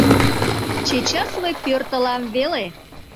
Чечас мый пӧртылам веле.